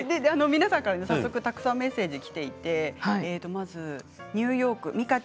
皆さんから早速たくさんメッセージがきていてまずニューヨーク。